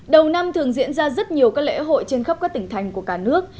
đầu năm thường diễn ra rất nhiều các lễ hội trên khắp các tỉnh thành của cả nước